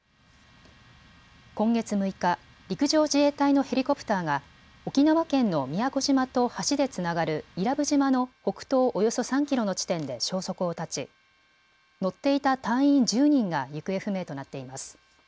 今月６日、陸上自衛隊のヘリコプターが沖縄県の宮古島と橋でつながる伊良部島の北東およそ３キロの地点で消息を絶ち乗っていた隊員１０人が行方不明となっています。